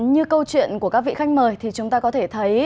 như câu chuyện của các vị khách mời thì chúng ta có thể thấy